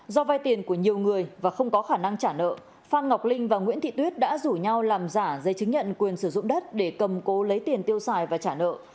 do vai tiền của nhiều người và không có khả năng trả nợ phan ngọc linh và nguyễn thị tuyết đã rủ nhau làm giả giấy chứng nhận quyền sử dụng đất để cầm cố lấy tiền tiêu xài và trả nợ